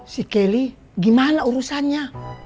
si kelly gimana urusannya